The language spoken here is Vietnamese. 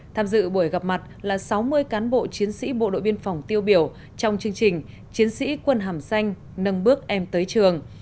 tham dự buổi gặp mặt là sáu mươi cán bộ chiến sĩ bộ đội biên phòng tiêu biểu trong chương trình chiến sĩ quân hàm xanh nâng bước em tới trường